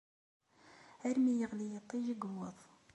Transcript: Armi yeɣli yiṭij i yuweḍ.